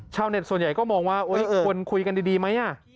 ชาวเน็ตส่วนใหญ่ก็มองว่าควรคุยกันดีไหม